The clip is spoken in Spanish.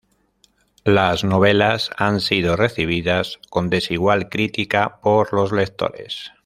Las novelas han sido recibidas con desigual crítica por los lectores.